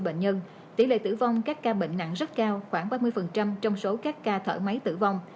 bệnh nhân tỷ lệ tử vong các ca bệnh nặng rất cao khoảng ba mươi trong số các ca thở máy tử vong